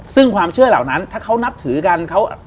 ซึ่งความเชื่อเหล่านั้นถ้าเขานับถือกัน